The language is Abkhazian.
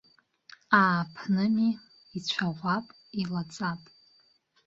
Ааԥными, ицәаӷәап, илаҵап.